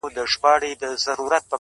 مړ مه سې، د بل ژوند د باب وخت ته.